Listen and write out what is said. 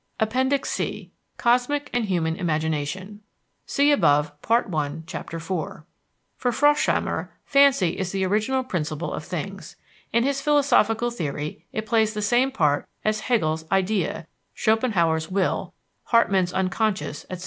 APPENDIX C COSMIC AND HUMAN IMAGINATION For Froschammer, Fancy is the original principle of things. In his philosophical theory it plays the same part as Hegel's Idea, Schopenhauer's Will, Hartmann's Unconscious, etc.